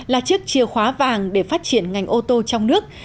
là chiếc chìa khóa vàng để phát triển ngành ô tô trong nước